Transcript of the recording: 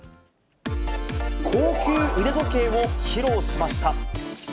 高級腕時計を披露しました。